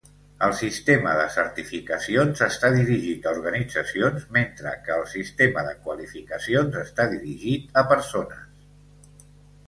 El sistema de certificacions està dirigit a organitzacions, mentre que el sistema de qualificacions està dirigit a persones.